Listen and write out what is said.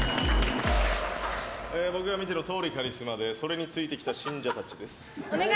僕は見てのとおりカリスマでそれについてきた信者たちです。